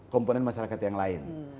komponen masyarakat yang lain